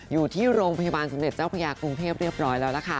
อยู่ที่โรงพยาบาลสมเด็จเจ้าพระยากรุงเทพเรียบร้อยแล้วล่ะค่ะ